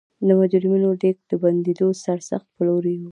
د مجرمینو لېږد د بندېدو سرسخت پلوی و.